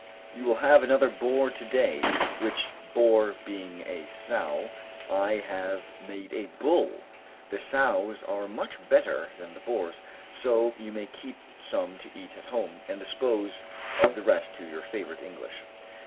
You will have another boar, to day; which boar being a sow, I have made a bull! The sows are much better than the boars; so you may keep some to eat at home, and dispose of the rest to your favourite English.